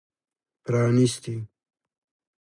پرانیستي